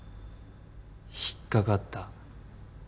引っ掛かった。